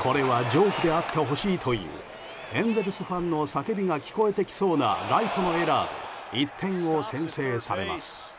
これはジョークであってほしいというエンゼルスファンの叫びが聞こえてきそうなライトのエラーで１点を先制されます。